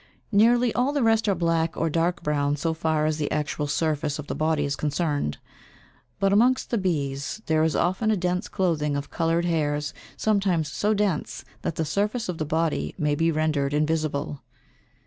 Nearly all the rest are black or dark brown so far as the actual surface of the body is concerned; but amongst the bees there is often a dense clothing of coloured hairs sometimes so dense that the surface of the body may be rendered invisible.